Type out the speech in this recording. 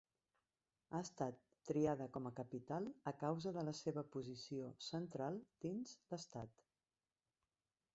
Ha estat triada com a capital a causa de la seva posició central dins l'estat.